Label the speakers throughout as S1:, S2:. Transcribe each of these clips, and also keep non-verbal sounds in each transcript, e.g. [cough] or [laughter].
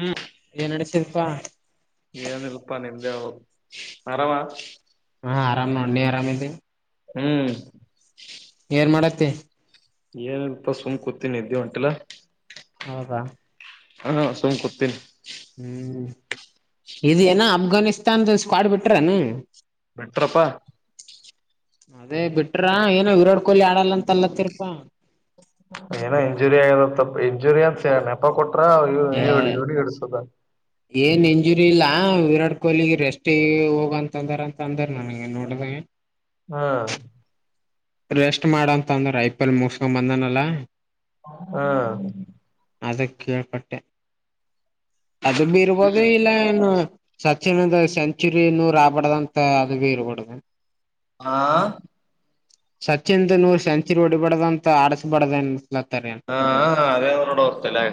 S1: ಹ್ಮ್
S2: ಏನ್ ನಡತರಪ್ಪಾ
S1: ಅ ಮರವಾ
S2: ಹಾ ಆರಾಮ ನಿ ಆರಾಮೇತಿ
S1: ಹ್ಮ್
S2: ಏನ್ ಮಾಡಕ್ ತ್ತ
S1: ಏನ ಇಲ್ಪಾ ಸುಮ್ ಕೂತೀನಿ ನಿದ್ದ್ದೆ ಹೊಂಟಿಲ್ಲಾ
S2: ಹೌದಾ
S1: ಹಾ ಸುಮ್ ಕೂತೀನಿ
S2: ಹ್ಮ್ ಇ ಏನ ಅಫ್ಘಾನಿಸ್ತಾನ್ದ ಸ್ಕ್ವಾಡ್ ಬಿಟ್ರಾನ
S1: ಬಿಟ್ರಪ್ಪಾ
S2: ಅದೇ ಬಿಟ್ರ ಏನ ಇರಾಡ್
S1: ಏನ ಇಂಜುರಿ ಆ ತ ಇಂಜುರಿಯನ್ಸ್ ಅ ಕೊಟ್ಟ ಹೇಳ
S2: ಏ
S1: ಹ ಹೇಳಡ್ಸದ
S2: ಏನ್ ಇಂಜುರಿ ಇಲ್ಲ ವಿರಾಟ್ ಕೊಹ್ಲಿ ರೆಸ್ ಹೋಗಂತ ಅಂದಾರ ಅಂತ ಅಂದ್ರ ನನ್ಗೆ ನೋಡ್ದ
S1: ಹಾ
S2: ರೆಸ್ಟ್ ಮಾಡಂತ ಅಂದ್ರ ಐ ಪಲ್ ಮುಸ್ಕೊಂಡ್ ಬಂದನಲ್ಲಾ
S1: ಹಾ
S2: ಅದೇ ಕೇಳಪಟ್ಟೆ ಅದು [unintelligible] ಮೀರ್ಬೋದು ಇಲ್ಲ ಏನು ಸಚಿನ್ಂದ ಸೆಂಚುರಿ ನೂರ ಆಗ್ಬಾರ್ದಂತ ಅದವಿ ಇರ್ಬಡ್ದ
S1: ಆ
S2: ಸಚಿನ್ಂತನ್ [unintelligible] [unintelligible] ಹೊಡಿಬಡದ ಅಂತ ಆಡಸಬಡದ [unintelligible] ಎತಾರ [inaudible]
S1: ಹಾ ಅದೇ ನೋಡು ತಲ್ಯಾಗ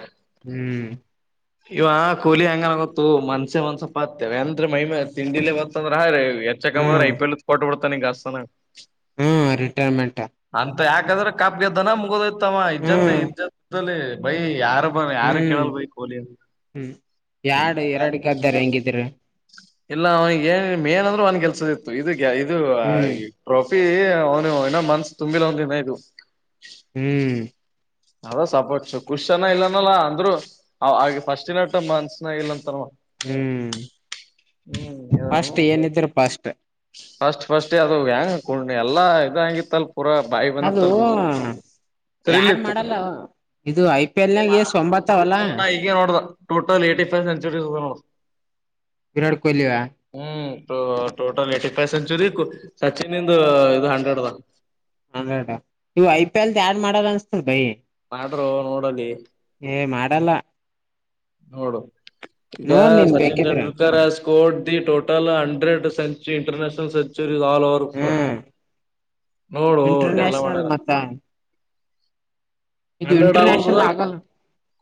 S2: ಹ್ಮ್ [unintelligible]
S1: ಇವ ಕೂಲಿ ಹಂಗನ ಗೊತ್ತು ಮನ್ಸೆ ಮನ್ಸ ಪಾತ್ತೇವೆ ಎಂದ ಮೈಮ ತಿಂಡಿಲೇ ಬತ್ತಂದ್ರ ಹ್ರ [unintelligible] ಯಚ್ಚಕ ಅ್ರಐಿ [unintelligible] ಎಲ್ ಕೊಬ ಪತ್ತ [inaudible] ನೀ ಗಾಸತಣ
S2: ಹಾ ರಿಟೈರ್ಮೆಂಟ್
S1: ಅಂತ ಯಾಕಾದ್ರೆ ಕಾಪ್ಗೆದ್ದನ ಮುಗೋದ [unintelligible] ಉತ್ತಮ್ಮ ಇಜ್ಜತೆ
S2: ಹ್ಮ್
S1: ಇಜ್ಜಲ್ಲಿ ಬೈ ಯಾರು ಬ ಯಾರು
S2: ಹ್ಮ್
S1: ಕೇಳಲ್ ಬೈ ಕೊಹ್ಲಿ ಅಂತ.
S2: ಹ್ಮ್ ಎಡ್ ಎರಡಗ್ದಾರ ಹೆಂಗಿದ್ರ
S1: ಇಲ್ಲ ಅವ ಮೇನ್ ಅಂದ್ರು ಅವನಿಗೆ ಕೆಲ್ಸದ ಇತ್ತು ಇದಕ್ಕೆ [unintelligible] ಇದು
S2: ಹ್ಮ್
S1: ಪ್ರ [unintelligible] ಪಿ ಅವ್ನು ಇನ್ನೋ ಮನ್ಸು ತುಂಬಿಲ್ಲ ಒಂ [unintelligible]
S2: ಹ್ಮ್
S1: ಅದ ಸಪೋಟ್ ಖುಷ್ನ ಇಲ್ಲನಲ್ಲಾ ಅಂದ್ರು ಆಗ ಫಸ್ಟ್ನಟ [unintelligible] ಮನ್ಸನ ಇಲ್ಲಂತ
S2: ಹ್ಮ್ ಪಾಸ್ಟ್
S1: ಹ್ಮ್
S2: ಏನಿದರ ಪಾಸ್ಟ್
S1: ಫಸ್ಟ್ ಫಸ್ಟ್ ಅದು ಹೆ್ಯಾಂಗ ಕಣ ಎಲ್ಲ ಇದದು ಹಂಗಿತ್ತಲ್ ಪೂರಾ ಬಾಯಿ
S2: ಅದು
S1: ಬಂದಿತ್ತಲ್ ಬೀ
S2: ಯಾಡ್
S1: [unintelligible]
S2: ಮಾಡಲ್ಲ ಇದು ಐ ಪಿ ಎಲ್ ನಾಗ ಯೇಸು ಒಂಬತ್ತಾವಲ್ಲ
S1: ನೋಡ್ ನಾ ಈಗ ನೋಡ್ದ total eighty five centuries
S2: Virat Kohli
S1: [unintelligible] total eighty five century Sachin ಇಂದ ಇದು ಹಂಡ್ರೆಡ್
S2: [unintelligible] ಹ ನೀವು ಐ ಪಿ ಎಲ್ ಆಡ್ ಮಾಡರ್ ಅನ್ಸ್ತದ ಬೈಿ
S1: ಮಾಡರು ನೋಡಲ್ಲಿ
S2: ಮಾಡಲ್ಲ
S1: ನೋಡು ಈಗ
S2: ನೋಡ್ ನೀನ್
S1: ಸಚಿನ್
S2: ಬೇಕಿದ್ರ
S1: Tendulkar score the total hundred [unintelligible] ಸಚು international ಸಚಿ [unintelligible] ಸ ಆಲ್ ಓವರ್
S2: ಹ್ಮ್
S1: ನೋಡು ಓಟ ಎಲ್ಲ
S2: ಇಂಟರ್ನ್ಯಾಷನಲ್
S1: ಮಾಡ್ಯಾರ
S2: ಮತ್ತ ಇದು
S1: ಹಂಡ್ರೆಡ್ ಆ ಒಂತ
S2: ಇಂಟರ್ನ್ಯಾಷನಲ್ ಆಗಲ್ಲ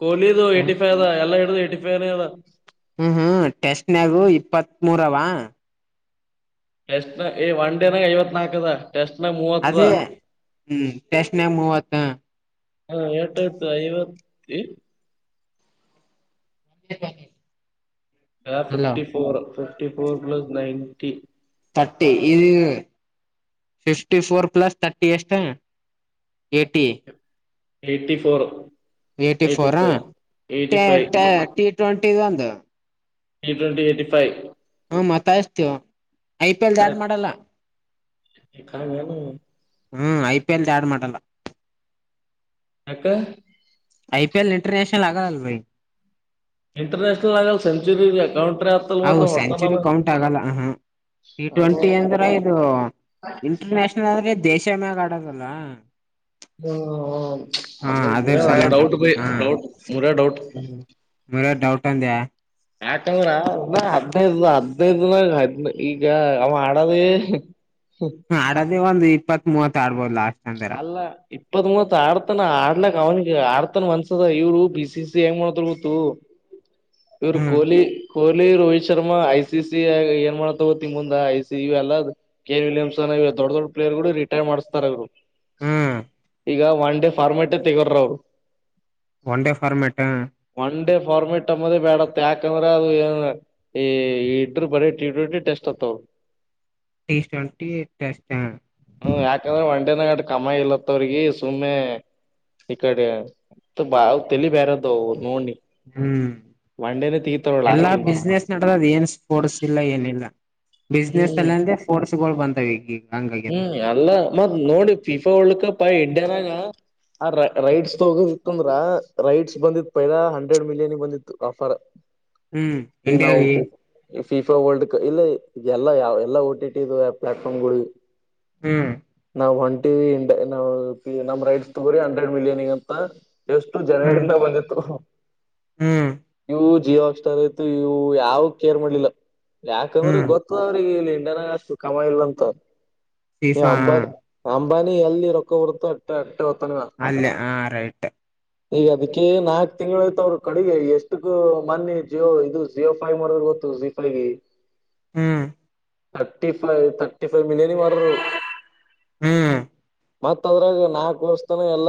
S1: ಕೊಹ್ಲಿದು
S2: ಹ್ಮ್
S1: ಎಟಿ ಫೈವ್ ಅ ಎಲ್ಲಾ ಹಿಡು ಅಿೇರೆದಾ [inaudible]
S2: ಹ್ಮ್ ಹ್ಮ್ ಟೆಸ್ಟ್ನಗು ಇಪ್ಪತ್ತ್ ಮೂರವ
S1: ಎಟಸ್ಟ್ ಒನ್ ಡೇನಾಗ ಐವತ್ ನಾಲ್ಕದ ಟೆಸ್ಟ್ ನ ಮೂವತ್ತ
S2: ಅದೇ ಹ್ಮ್ ಟೆಸ್ಟ್ನಾಗ ಮೂವತ್ತ
S1: ಎತ ಐವತ್ತು ಹ [inaudible]
S2: ನ [unintelligible]
S1: A fifty four fifty four plus ninety
S2: thirty ಇದು ಫಿಫ್ಟಿ ಫೋರ್ ಪ್ಲಸ್ ತರ್ಟಿ ಎಷ್ಟ ಎಟಿ
S1: ಎಟಿ ಫೋರ್
S2: ಎಟಿ ಫೋರಾ ಟಿ ಟ್ವೆಂಟಿ ಒಂದು
S1: ಟ ಟ್ವೆಂಟಿ ಯಟಿ ಫವ್
S2: ಹ ಮಾತಾಯಸ್ತೀವ ಐ ಪಿ ಎಲ್ ದಾಡ್ ಮಾಡಲ್ಲ
S1: ಕ [inaudible]
S2: ಹ್ಮ್ ಐ ಪಿ ಎಲ್ ಆ ಯಾಡ್ ಮಾಡಲ್ಲ
S1: ಅಕ್ಕ
S2: ಆಐಪಿಎಲ್ ಇಂಟರ್ನೇಶನಲ್ ಆಗಳಲ್ಲ ಭೈ
S1: ಇಂಟರ್ನ್ಯಾಷನಲ್ ಆವೆಲ್ ಸೆಂಚುರಿ ಕೌಂಟ್ರಿ ಆತಲ್
S2: ಹ
S1: ಮತ್ತ
S2: ಸೆಂಚುರಿ
S1: ಹೊಡ್ತಾನಲ್ಲ
S2: ಕೌಂಟ್ ಆಗಲ್ಲ ಹ ಟಿ
S1: ಅವರು
S2: ಟ್ವೆಂಟಿ ಅಂದ್ರೆ ಇದು ಇಂಟರ್ ನ್ಯಷನಲ್ ಅಂದ್ರೆ ದೇಶ ಮೆಾಗ ಆಡೋದಲ್ಲ
S1: ಹ ಅ
S2: ಹಾ
S1: ಮುರ
S2: ಅದರ
S1: ಆ
S2: ಸಲೆಂದ
S1: ಡೌಟ್
S2: ಹಾ
S1: ಡೌಟ್ ಮುರ ಡೌಟ್
S2: ಹಂತಾ [inaudible]
S1: ಯಾಕಂದ್ರ ಹದ್ನೈದು ಹದ್ನೈದ ದಿನ ಹದ್ನ ಈಗ ಅವ ಆಡದ [inaudible]
S2: ಹಾ ಆ ಒಂದ ಇಪ್ಪತ್ ಆಡ್ಬೋದು ಲಾಸ್ಟ್ ಟೈಮ್ ಬರ
S1: ಅಲ್ಲ ಇಪ್ಪತ್ ಮೂವತ್ ಆಡ್ತಾನ ಆಡ್ಲಕ್ ಅವನಿಗೆ ಆಡ್ತಾನ ಒನ್ಸದ ಇವ್ರು ಬಿಸಿ ಬಿಸಿ ಹೆಂಗ್ ಮಾಡತರ್ ಬತ್ತು ಇವರು
S2: ಹ್ಮ್
S1: Kohli Kohli Rohit Sharma I C C ಏ ಮಾಡ್ತೋಗೋ ತಿಂಗ ಮುಂದ I C C K Williamson ದೊಡ್ಡ ದೊಡ್ಡ ಪ್ಲೇರ್ ಗಳು ರಿಟೈರ್ ಮಾಡುಸ್ತಾರ ಅವ್ರು
S2: ಹ್ಮ್
S1: ಈಗ ಒನ್ ಡೇ ಫಾರ್ಮ್ಯಾಟೇ ತೆಗೋರ್ರ ಅವ್ರು
S2: one day format
S1: one day format ಅಮ್ಮದ ಬ್ಯಾಡತ್ ಯಾಕಂದ್ರೆ ಅದು ಏನ್ ಈ ಇಟ್ರ ಬರೀ ಟಿ ಟ್ವೆಂಟಿ ಟೆಸ್ಟ್ ಆತ್ತವರು
S2: ಟಿ ಟ್ವೆಂಟಿ ಟಸ್ಟ್ [inaudible]
S1: ಹ್ಮ ಯಾಕಂದ್ರೆ ಒಂಡೆನ ಕಮ್ಮಾಯ ಇಲ್ಲತ್ತ ಅವ್ರಿಗೆ ಸುಮ್ಮನೆ ಈ ಕಡೆ ಬಾವ ತಲಿ ಬೇರೆದದು ನೋಡ್
S2: ಹ್ಮ್ ಎಲ್ಲಾ
S1: ಲಾಸ್ಟಿಂಗ್
S2: ಬಿಸ್ನೆಸ್ ನಡದ ಅದ ಏನ್ ಸ್ಪೋರ್ಟ್ಸ್ ಇಲ್ಲ ಏನಿಲ್ಲ ಬಿಸ್ನೆಸ್
S1: ಹ್ಮ್
S2: ಅಲ್ಲ ಅಂದ್ರೆ ಫೋರ್ಸ್ ಗಳು ಬಂತಾವ ಈಗ ಹಂಗಾಗ್ಯದ
S1: ಹ್ಮ್ ಅಲ್ಲ ಮತ್ತ್ ನೋಡಿ ಫಿಫಾ ಒಳಕಪ್ಪಾಯ ಾಗ ಆ ರೈಡ್ಸ್ ತಗೋದಿತ್ತ ಅಂದ್ರ ರೈಡ್ಸ್ ಬಂದಿತ್ತು ಪೈಲಾ ಹಂಡ್ರೆಡ್ ಮಿಲಿಯನ್ಿಗೆ ಬಂದಿತ್ತು ಆಫರ್
S2: ಹ್ಮ್
S1: ಈಗ
S2: ಎಟ
S1: ನಾವು
S2: ಯೀ
S1: ಫಿಫಾ ವರ್ಲ್ಡ್ ಕಪ್ ಇಲ್ಲ ಎಲ್ಲ ಯಾವ ಎಲ್ಲಾ ಟಿ ಟಿ ಪ್ಲಾಟ್ಫಾರ್ಮ್ ಗಳುಿಗೆ
S2: ಹ್ಮ್
S1: ನಾವ್ ಹೊಂಟಿವಂಡ ನ ನಮ್ ರೈಟ್ ತಗೋಿ ಹಂಡ್ರೆಡ್ ಮಿಲಿಯನ್ಗಂತ ಎಷ್ಟು
S2: ಹ್ಮ್
S1: ಜನವರಿಂದ ಬಂದಿತ್ತು
S2: ಹ್ಮ್
S1: ಇವು ಜಿಯ ಆಾಕ್ಸ್ಟಾರ್ ಆಯ್ತು ಇವು ಯಾವ ಕೇರ್ ಮಾಡ್ಲಿಲ್ಲ ಯಾಕಂದ್ರೆ
S2: ಹ್ಮ್
S1: ಗೊತ್ತ ಅವ್ರಿಗೆ ಇಲ್ಲಿ ನ ಅಷ್ಟು ಕಮ ಇಲ್ಲ ಅಂತ ನೀ
S2: ಫೀಫಾ
S1: ಅಂಬ ಅ ಬನಿ ಎಲ್ಲಿ ರೊಕ್ಕ ಹೊಡ್ತ ಅಟ್ಟಾರೆ
S2: ಅಲ್ಲ ಆ ರೈಟ್
S1: ಈಗ ಅದಕ್ಕೆ ನಾಲ್ಕ್ ತಿಂಗಳು ಯ್ತ ಅವ್ರರು ಕಡೆಗೆ ಎಷ್ಟಕ್ಕ ಮನ್ಿ ಜಿಯೋ ಇದು ಜಿಯೋ ಫೈ ಮರ ಗೊತ್ತು ಜಿ ಫೈಗೆ
S2: ಹ್ಮ್
S1: ರ್ಿಫೈ ರ್ಿಫೈವ್ ರರು
S2: ಹ್ಮ್
S1: ಮತ್ತತ್ ಅದ್ರಾಗ ನಾಕ್ು ವರ್ಷ ತಾನ ಎಲ್ಲ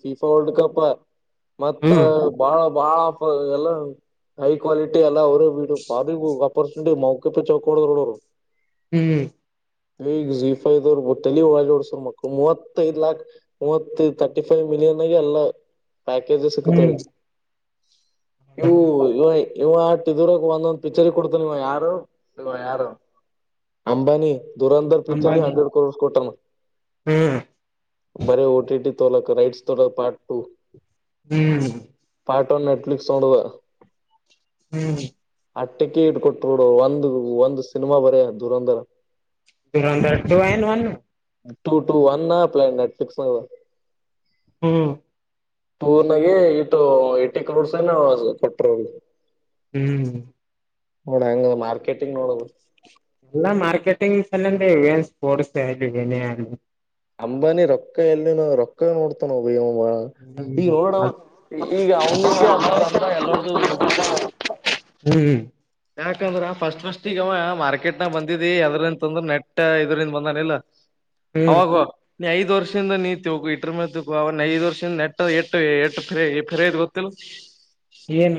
S1: ಫಿಫಾ ವರ್ಲ್ಡ್ ಕಪ್ ಮತ್ತ
S2: ಹ್ಮ್
S1: ಬಾಳ ಬಾಳ ಎಲ್ಲ ಹೈ ಕ್ವಾಲಿಟಿ ಎಲ್ಲ ಅವರ ಬಿ ಪ ಅಪರ್ಚುನಿಟಿ ಮೌಖ ಪಿ ಚ ಕೊಡ್ ನೋಡರು
S2: ಹ್ಮ್್ಮ
S1: ಈ ಈಗ ಜಿ ಫೈದವರು ಗೊಟ್ಟ ಒಳೋಡ್ಸರ್ ಮಕ್ಕಳು ಮೂವತ್ತೈದ್ ಲಾಕ್ ಮೂವತ್ತೈದು ತರ್ಟಿ ಫೈವ್ ಮಿಲಿಯನ್ ಆಗ ಎಲ್ಲ ಪ್ಯಾಕೇಜ ಸಿಕ್ಕತೀ
S2: ಹ್ಮ್
S1: ಹವು ಇ ಇವ ಆಟಿದರಾಗ ಒಂದೊಂದ್ ಪಿಕ್ಚರ್ ಕೊಡ್ತ ನೀವ ಯಾರು ಇ ಯಾರು ಅಂಬಾನಿ ದುರಂಧರ ಪಿಚರ್
S2: ಅಂಬಾನಿ
S1: ಹಂಡ್ರೆಡ್ ಕ್ರೋಡ್ ಕೊಟ್ಟ
S2: ಹ್ಮ್
S1: ಬರ ಓಟಿಟಿ ತಲಕ ರೈಟ್ಸ್ ತಲ ಪಾರ್ಟ ಟು
S2: ಹ್ಮ್
S1: ಆಟಟೋ ನೆಟ್ಫ್ಲಿಿಕ್ಸ್ ನೋಡುವ
S2: ಹ್ಮ್್ಮ
S1: ಅಟ್ಟಕ್ಕೆಿ ಇಟ್ ಕೊಟ್ೋಡು ಒಂದ್ ಒಂದ್ ಸಿನಿಮಾ ಬರ ದುರಂಧ್ರ
S2: ು ನಂದಟು ಒನ್ [inaudible]
S1: ು ಟು ವನ್ ಪ್ಲ ನೆಟ್ಫ್ಲಕ್ಸ್ ನ [unintelligible]
S2: ಹ್ಮ್
S1: ಟೂರ್ನಾಗ ಇಟು ಏಟಿ ಕಲೋರ್ಸ್ ಏನ ಕೊಟ್ರೋಗ್
S2: ಹ್ಮ್
S1: ನೋಡ ಹಂಗ ಮಾರ್ಕೆಟಿಂಗ್ ನೋಡದು
S2: ಎಲ್ಲಾ ಮಾರ್ಕೆಟಿಂಗ್ಲ್ಲಂದ ಇವಏನ್ ಸ್ಪೋರ್ಟ್ಸ್ನ [unintelligible]
S1: ಅಂಬಾನಿ ರೊಕ್ಕ ಎಲ್ಲಿನ ರೊಕ್ಕ ನೋಡ್ತಾನಬ ಹ ಈಗ ನೋಡ
S2: ಅ
S1: ಈಗ ಅವನ ನಿಂತೆ ಅ್ದ ಅಂದ ಎಲ್ಲರ್್ದು ಇಟ್ಬಿಟ್ಟ [unintelligible]
S2: ಹ್ಮ್
S1: ಯಾಕಂದ್ರ ಫಸ್ಟ್ ಫಸ್ಟ್ ಈಗವ ಮಾರ್ಕೆಟ್ನಾಗ ಬಂದಿದಿ ಅದ್ರಂತಂದ್ರ ನೆಟ್ ಇದ್ರಂದ ಬಂದನಿಲ್ಲ
S2: ಹ್ಮ್
S1: ಅವಾಗು ನೀ ಐದ್ ವರ್ಷದಿಂದ ನೀತಿ ಹೋಗು ಇಟ್ರ ಮೇ ಅವನ ಐದ್ ವರ್ಷದಿಂದ ನಟ್ಟ ಎು [unintelligible] ಎುೆ ಫರದ್ ಗೊತ್ತಿಲ್ಲ
S2: ಏನ್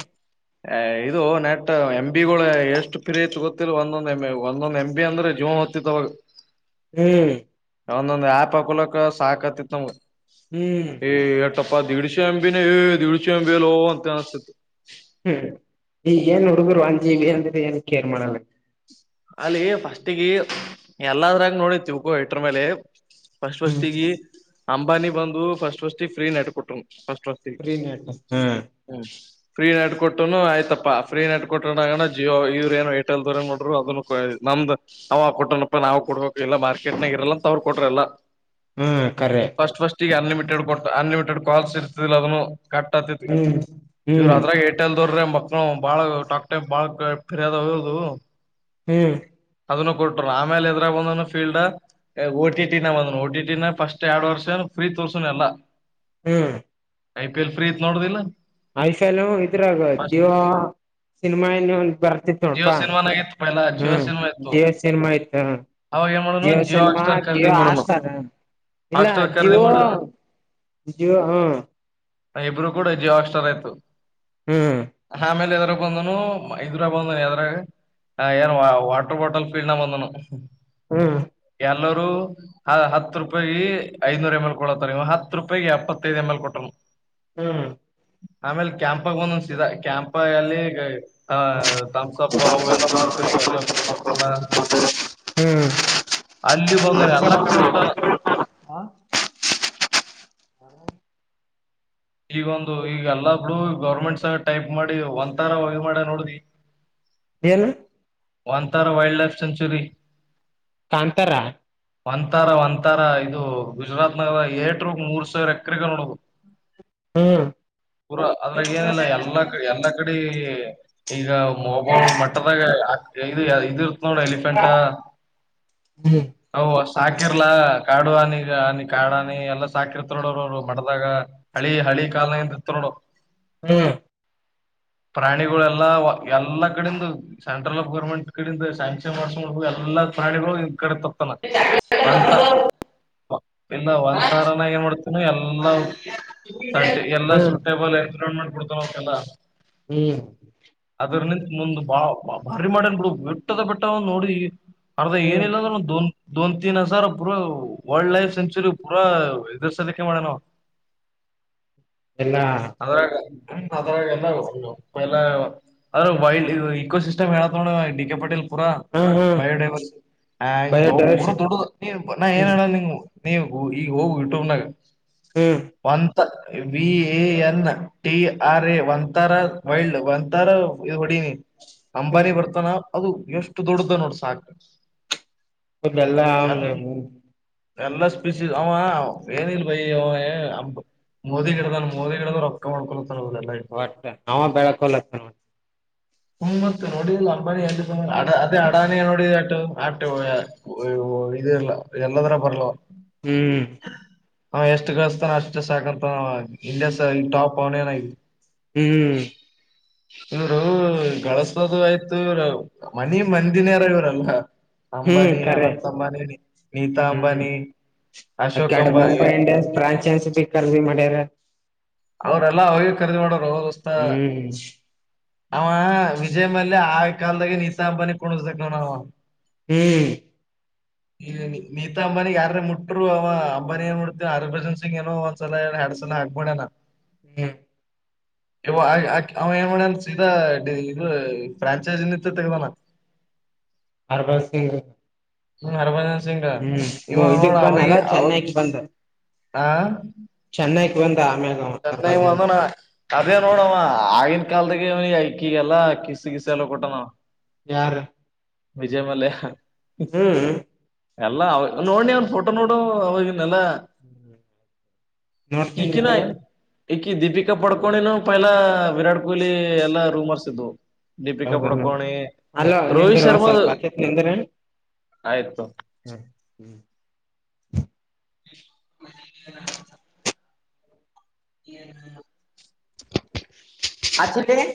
S1: ಏ ಇದು ನೆಟ್ ಎಂ ಎ ಬಿ ಗಳು ಎಷ್ಟು ಫ್ರರಿ ಹೆಚ್ಚ ಗೊತ್ತಿಲ್ಲ ಒಂದೊಂದ ಎಂ ಒಂದೊಂದ್ ಎಂ ಬಿ ಅಂದ್ರೆ ಜೀವನ್ ಹೊತ್ತಿತ್ವಾಗ [unintelligible]
S2: ಹ್ಮ್
S1: ಒಂದೊಂದ್ ಯಾಪ್ ಹಾಕೋಳಕ ಸಾಕತಿತ್ನಮ್ಗ
S2: ಹ್ಮ್
S1: ಪ್ಪ ದೀಡ್ಶೆ ಎಂಬಿಿನ ದೀಡ್ಶೆ ಎಂಬಿಲ್ಲೋ ಅಂತ ಅನಿಸ್ತತ್ತು [unintelligible]
S2: ಹ್ಮ್ ಈಗ ಏನ್ ಹುಡುಗರು ಅಂಗೆಇಂಗೆ ಅಂದ್ರೆ ಏನ್ ಕೇರ್ ಮಾಡಲ್ಲ
S1: ಅಲ್ಲಿ ಫಸ್ಟಗೆ ಎಲ್ಲದ್ರಾಗ ನೋಡಿತಿ ಉಕೋ ಇಟ್ರ ಮೇಲೆ ಫಸ್ಟ್
S2: ಹ್ಮ್
S1: ಫಸ್ಟ್ ಗೆ ಅಂಬಾನಿ ಬಂದು ಫಸ್ಟ್ ಫಸ್ಟ್ ಫ್ರೀ ನಟ್ಕೊಟ್ರು ಅಷ್ಟು ಅಷ್ಟತಿ
S2: ಫ್ರೀ ನೆಟ್ ಹ್ಮ್
S1: ಹ್ಮ [unintelligible] ಫ್ರೀ ನೆಟ್ ಕೊಟ್ಟನು ಆಯ್ತಪ್ಪ ಫ್ರೀ ನೆಟ್ ಕೊಟ್ಟೋಗಣ ಜಿಯೋ ಇವ್ರ್ ಏನೊ ಏರ್ಟೆಲ್ ದರ [unintelligible] ಅದ ನಮ್ದ್ ನ ಕೊಟ್ಟನಪ್ಪ ನಾವು ಕೊಡ್ಬೇಕ ಇಲ್ಲ ಮಾರ್ಕೆಟ್ನಾಗ ಇರಲ್ಲ ಅಂತ ಅವ್ರು ಕೊಟ್ರಲ್ಲ
S2: ಹ್ಮ್ ಕರೆ
S1: ಫಸ್ಟ್ ಅನ್ಲಿಮಿಟೆಡ್ ಕೊಟ್ಟ ಅನ್ಲಿಮಿಟೆಡ್ ಕಾಲ್ ಇರ್ತದಿಲ್ಲ ಅದನ್ನು ಕಟ್ ಆತತಿ
S2: ಹ್ಮ್
S1: ಇವರು
S2: ಹ್ಮ್
S1: ಅದ್ರ ಏರ್ಟೆಲ್ ರ್ರೆ ಮಕ್ಳ ಬಾಳ ಟಾಕ್ ಟೈಮ ಬಾಳ್ [unintelligible] ಪಫರಿ್ಯದದು
S2: ಹ್ಮ್
S1: ಅದನ್ನು ಕೊಟ್ಟರು ಆಮೇಲೆ ಇದ್ರಾಗ ಒಂದ ಫೀಲ್ಡ್ಎ ಓ ಟಿ ಓಟಿ ಟಿ ನ ಫಸ್ಟ್ ಎರಡ್ ವರ್ಷ ಫ್ರೀ ತೋರ್ಸನ ಎಲ್ಲ
S2: ಹ್ಮ್
S1: ಐ ಪಿ ಎಲ್ ಫ್ರೀ ಇತ್ ನೋಡುದಿಲ್ಲ
S2: ಐಪಿಎಲ್ ಇದ್ರಾಗ ಜಿವ ಸಿನಿಮಾ ಏನ ಬರ್ತಿತ್ತು
S1: ಜಿಯೋ
S2: ನೋಣಪಾ
S1: ಸಿನಿಮಾನಾಗ ಇತ್ತು ಪೈಲಾ ಜಿಯೋ
S2: ಹ್ಮ್
S1: ಸಿನಿಮಾ ಇತ್ತು
S2: ಜಿವ ಸಿನ್ಮ ಇತ್ ಹಾ
S1: ಅವಾಗ ಏನ್ ಮಾಡೋನು
S2: ಜವ
S1: ಜಿಯೋ
S2: ಸನ್ಮಾ
S1: ಹಾಟ್ಸ್ಟಾರ್ ಖರೀದಿ
S2: ಜವೋ
S1: ಮಾಡೋನು
S2: ಆಸ್ಾರ ಇಲ್ಲ
S1: ಹಾಟ್ಸ್ಟಾರ್ ಖರೀದಿ
S2: ಜೀವೋ
S1: ಮಾಡ
S2: ಜ ಹಾ [unintelligible] [inaudible]
S1: ಇಬ್ಬರು ಕೂಡ ಜಿಯೊ ಹಾಟ್ ಸ್ಟಾರ್ ಆಯ್ತು
S2: ಹ್ಮ್ ಹ್ಮ್
S1: ಆಮೇಲೆ
S2: [inaudible]
S1: ಬಂದನು ಇದ್ರ ಬಂದನು ಎದ್ರಾಗ ಏನ್ ವಾಟರ್ ಬಾಟಲ್ ಫೀಡ್ನ ಬಂದನು
S2: ಹ್ಮ್
S1: ಎಲ್ಲರುೂ ಹತ್ತು ರೂಪಾಯಿ ಐನೂರ ಎಮಲ್ ಕೊ ನೀವು ಹತ್ತು ರೂಪಾಯಿ ಎಪ್ಪತ್ತೈದು ಎಮ್ ಎಲ್ ಕೊಟ್ಟ
S2: ಹ್ಮ್
S1: ಆಮೇಲ್ ಕ್ಯಾಂಪಾಗ ಒಂದೊಂದಸಿದ ಕ್ಯಾಂಪ ಎಲ್ಲಿ ಥಮ್ಸ ಅಪ್ ಅ ಎಲ್ಲ ಬಾರ್ತಿತ್ತು ಎಲ್ಲ ಪಕಕಲ್ಲ
S2: ಹ್ಮ್
S1: ಅಲ್ಲಿ ಕೊೊಂದರೆ ಅಲ್ಲ ಅ ಕಡೆ ಉಂಟಾನ ಈಗ ಒಂದು ಈಗ ಎಲ್ಲ ಬಿ ಗೌರ್ಮೆಂಟ್ ಸ ಟೈಪ್ ಮಾಡಿ ಒ ಮಾಡ ನೋಡವಿ
S2: ಏನು
S1: ವಾಂತಾರ ವೈಲ್ಡ್ ಲೈಫ್ ಸೆಂಚುರಿ
S2: ಕಾಂತರಾ
S1: ಒಂತಾರ ಒಂತಾರ ಇದು ಗುಜರಾತ್ ನರ ಏಟ್ರ ಮೂರ್ ಸಾವಿರ ಎಕ್ರಗ ನೋಡದು
S2: ಹ್ಮ್
S1: ಪೂರಾ ಅದ್ರಾಗ ಏನಿಲ್ಲ ಎಲ್ಲಾ ಕಡೆ ಎಲ್ಲಾ ಕಡೆ ಈಗ ಮೋಬ ಮಟ್ಟದಾಗ ಚಾದೆ ಯಿ ಇದಿ ಇರ್ತ್ ನೋಡ ಎಲಿಫೆಂಟ
S2: ಹ್ಮ್
S1: ಹ ಅಷ್ಟ ಸಾಕಿರ್ಲಾ ಕಾಡು ಹನಿ ಹನಿ ಕಾಡಾನಿ ಎಲ್ಲಾ ಸಾಕಿರ್ತ ನೋಡ ಅವ್ರ ಅವರು ಮಡ್ದಾಗ ಹಳಿ ಹಳಿ ಕಾಲ್ನಂತ ಇತ್ ನೋಡ
S2: ಹ್ಮ್
S1: ಪ್ರಾಣಿಗಳೆಲ್ಲಾ ಎಲ್ಲಾ ಕಡೆಂದು ಸೆಂಟ್ರಲ್ ಗೌರ್ಮೆಂಟ್ ಕಡಿಂದ ಸ ಶ್ಯಾಂಕ್ಷನ್ ಮಾಡ್ಕೊಂಡ್ ಹ ಎಲ್ಲ ಪ್ರಾಣಿಗಳು ಕಡೆ ತಪ್ಪಾನ ಅಂತ ಇಲ್ಲ ಒ ತರಾಗ ಮಾಡೋಡ್ ಇನ್ನು ಎಲ್ಲ ಎಲ್ಲ
S2: ಹ್ಮ್
S1: ಸೂಟೇಬಲ್ ಎನ್ರನ್ಮೆಂಟ್ ಕೊಡ್ತಕಲ್ಲ
S2: ಹ್ಮ್
S1: ಅದ್ರ ನಿಂತ ಮುಂದ ಬಾ ಮಾಡನ್ ಬಿಡು ಬೆಟ್ಟದ ಬೆಟ್ಟ ನೋಡಿ ಅರ್ಧ
S2: ಹ್ಮ್
S1: ಏನಿಲ್ಲ ಅಂದ್ರ ದೊನ್ ತೀನ್ ಹಜಾರ ಪೂರ ವೈಲ್ಡ್ ಲೈಫ ಸೆಂಚುರಿ ಪೂರಾ ಎದುರ್ ಸಲ್ಲಿಕ್ಕೆೆ ಮಾಡನ
S2: ಎಲ್ಲಾ
S1: ಮದರ್ಮ ಮದರ ಅ್ರ ವೈಲ್ಡ್ ಇಕೋಸಿಸ್ಟ್ ಮೇಳೋಡ ಡಿ ಕೆ ಪಟೇಲ್ ಪೂರಾ
S2: ಹ್ಮ ಹ್ಮ್
S1: ಬಯೋಡೈವರ್ಸಿ ಆ ಪೂರಾ
S2: ಬಯೋಡೈವರ್ಸಿಟಿ
S1: ದೊಡ್ಡ ನಾ ಏನ್ ಹೇಳಲ್ಲ ನೀ ನೀವು ಈಗ ಹೋಗು ಯೂಟ್ಯೂಬ್ನಾಗ
S2: ಹ್ಮ್
S1: ಒಂತ V A N T R A ಒಂತರ ವೈಲ್ಡ್ ಒಂತರ ಹೊಡಿನಿ.
S2: ಹ್ಮ್ ಹ್ಮ್
S1: ಅಂಬಾರಿ ಬರ್ತನ ಅದು ಎಷ್ಟು ದೊಡ್ಡ್ದ ನೋಡ ಸಾಕ್
S2: ಇಲ್ಲ ಎಲ್ಲಾ ಆಂದ
S1: ಎಲ್ಲಾ ಸ್ಪೀಸೀ ಅವ ಏನ ಇಲ್ ಬೈ ಅವ ಮೋದಿ ಗಿಡದ ಮೋದಿ ಗಿಡದ ರೊಕ್ಕ ಮಾಡ್ಕೊಳ
S2: ಒಟ್ಟ ಅವಾ ಬೆಳಕೊಳಾಕ ಒಟ್
S1: [unintelligible] ನೋಡಿ ಅಂಬಾನಿ ಎ ಅದೇ ಅಡಾನಿ ನೋಡ ಅ ಆ ಇ ಇಲ್ಲ ಎಲ್ಲದರಾಗ ಬರ್ಲ ಅವಾ
S2: ಹ್ಮ್
S1: ಅವ್ ಎಷ್ಟು ಗಳಸ್ತಾನ ಅಷ್ಟು ಸಾಕಂತಾನ ಅವಾ ಇಂಡಿಯಾ ಈ ಟಾಪ್ ಅವನೆನ
S2: ಹ್ಮ್
S1: ಇವರು ಗಳಸ್ ದು ಆಯ್ತು ಇವ ಮನಿ ಮಂದಿನಾರ ಇವ್ರೆಲ್ಲಾ
S2: ಹ್ಮ ಖರೇ
S1: ನೀತಾ
S2: ಹ್ಮ್
S1: ಅಂಬಾನಿ ಅಶೋಕ್
S2: ಅಕಾಡಿ
S1: ಅಂಬಾನಿ
S2: ಮುಂಬೈ ಇಂಡಿಯನ್ಸ್ ಬ್ರಾಂಚೆಸ್ ಬಿ ಖರೀದಿ ಮಾಡ್ಯಾರ. [unintelligible]
S1: ಅವ್ರಲ್ಲಾ ಅವಾಗೆ ಖರಿದಿ ಮಾಡ
S2: ಹ್ಮ್
S1: ಅವ ವಿಜಯ್ ಮಲ್ಯ ಆವಾಗಿನ ಕಾಲ್ದಾಗ ನಿತಾಂಬನಿ ಕುಣುಸ್ಥ ದಾವ ಅವಾ
S2: ಹ್ಮ್
S1: ಈ ನೀತಾ ಅಂಬಾನಿ ಯಾರರೇ ಮುಟ್ರು ಅವ ಅಂಬಾನಿ ಏನ್ ಮಾಡ್ತವ ಹರ್ಭಜನ್ ಸಿಂಗ್ ಏನೋ ಒಂದ್ಸಲ ಎರಡ್ಸಲ ಹಗಮಾಡ್ಯಾನ
S2: ಹ್ಮ್
S1: ಇ ಅವ ಏನ್ ಮಾಡನ್ ಸೀದಾ ಇದ ಫ್ರಾಂಚೈಜಿ ನಿಂತ ತೆಗದಾಣ
S2: ಹರ್ಭಜನ್ ಸಿಂಗ್
S1: ಹ್ಮ ಹರ್ಭಜನ್ಸ
S2: ಹ್ಮ್ ಇದಕ್ಕ ಬನ್ನಲ್ಲ
S1: ಅವಾಗ
S2: ಚೆನ್ನೈಕ್ ಬಂದ
S1: ಆ
S2: ಚೆನ್ನಕ್ ಬಂದ ಆಮ್ಯಾಗ ಅವ
S1: ಚೆನ್ನೈ
S2: ಹರ್ಬಲ್ ಸಿಂಗ್
S1: ಬಂದ ಅದೇ
S2: ಹ್ಮ್
S1: ನೋಡವ ಆಗಿನ ಕಾಲದಾಗ ಅವಾ ಐಕಿಗೆಲ್ಲ ಕಿಸ ಗಿಸ ಎಲ್ಲ ಕೊಟ್ಟಾ ನವಾ
S2: ಯಾರ
S1: ವಿಜಯ ಮಲ್ಯಾ
S2: ಹ್ಮ್
S1: ಎಲ್ಲ ನೋಡ್ಡಿ ಅವ್ನ್ ಫೋಟೋ ನೋಡು ಅವಾಗಿನ ಈಕಿನ
S2: [unintelligible]
S1: ಈಕಿ ದೀಪಿಕಾ ಪಡ್ಕೋಣಿನನು ಪೈಲಾ ವಿರಾಟ್ ಕೊಹ್ಲಿ ಎಲ್ಲಾ ರೂಮರ್ಸ್ ಇದ್ದವು
S2: ಹೌದ ಅಲ್ಲ ನಿಂದಿರ
S1: ರೋಹಿತ್
S2: ಒಂದ್ ಸ್ವಲ್ಪ
S1: ಶರ್ಮಾದು
S2: ಹತಿ ನಿಂದ್ರ
S1: ಆಯ್ತು
S2: ಹ ಹ್ಮ
S1: ಹ್ಮ್ಮ್. ಹ ಹ
S2: ಆಕ್ಚಲಿ